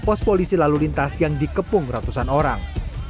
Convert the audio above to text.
pos polisi lalu lintas yang dikepung ratusan orang